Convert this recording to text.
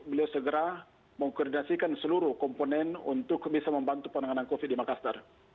beliau segera mengkoordinasikan seluruh komponen untuk bisa membantu penanganan covid di makassar